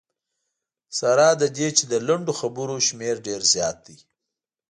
سره له دې چې د لنډو خبرو شمېر ډېر زیات دی.